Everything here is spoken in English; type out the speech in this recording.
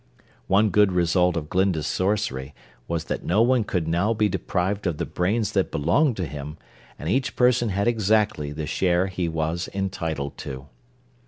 One good result of Glinda's sorcery was that no one could now be deprived of the brains that belonged to him and each person had exactly the share he was entitled to.